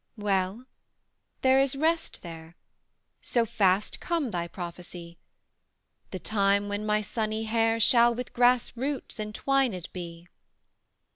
"Well there is rest there, So fast come thy prophecy; The time when my sunny hair Shall with grass roots entwined be."